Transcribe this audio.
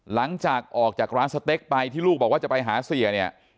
หลังจากออกจากร้านสเต็กไปที่ลูกบอกว่าจะไปหาเสียเนี่ย